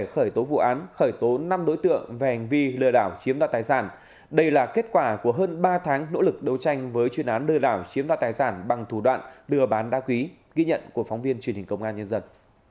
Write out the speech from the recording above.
khởi tố vụ án khởi tố năm đối tượng về hành vi lừa đảo chiếm đoạt tài sản đây là kết quả của hơn ba tháng nỗ lực đấu tranh với chuyên án lừa đảo chiếm đoạt tài sản bằng thủ đoạn lừa bán đa quý ghi nhận của phóng viên truyền hình công an nhân dân